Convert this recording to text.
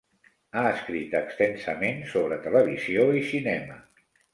Ha escrit extensament sobre televisió i cinema.